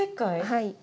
はい。